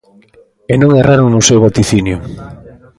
E non erraron no seu vaticinio.